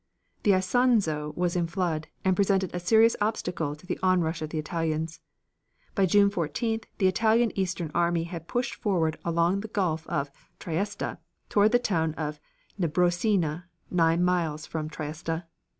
The Isonzo was in flood, and presented a serious obstacle to the onrush of the Italians. By June 14th the Italian eastern army had pushed forward along the gulf of Trieste toward the town of Nebrosina, nine miles from Trieste.